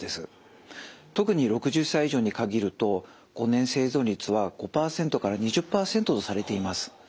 特に６０歳以上に限ると５年生存率は５２０％とされています。